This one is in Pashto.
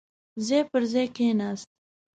ځای پر ځاې کېناست.